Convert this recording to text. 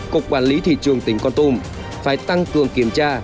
cục quản lý thị trường tỉnh con tum phải tăng cường kiểm tra